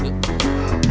ya nanti dibeliin ya